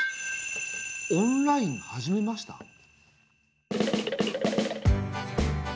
「オンラインはじめました」？